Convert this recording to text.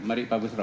mari pak gusro